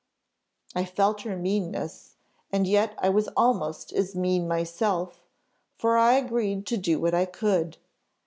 "I felt her meanness, and yet I was almost as mean myself, for I agreed to do what I could.